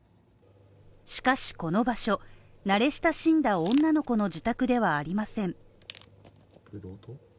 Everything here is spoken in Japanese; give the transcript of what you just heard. しかしこの場所、慣れ親しんだ女の子の自宅ではありません。